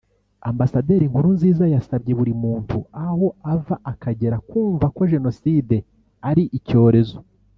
Ambasaderi Nkurunziza yasabye buri muntu aho ava akagera kumva ko Jenoside ari icyorezo